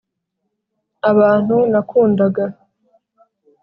abantu nakundaga,